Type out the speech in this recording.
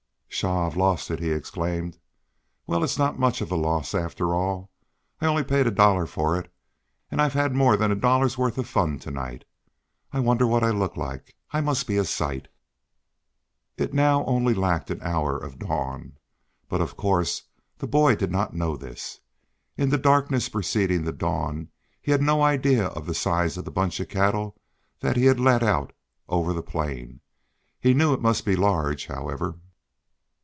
"Pshaw, I've lost it," he exclaimed. "Well, it is not so much of a loss after all. I paid only a dollar for it and I've had more than a dollar's worth of fun to night. I wonder what I look like. I must be a sight." It now lacked only an hour of dawn, but, of course, the boy did not know this. In the darkness preceding the dawn he had no idea of the size of the bunch of cattle that he had led out over the plain. He knew it must be large, however.